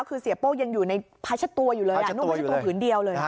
คือเสียโป้ยังอยู่ในพัชตัวอยู่เลยนู่นพัชตัวถึงเดียวเลย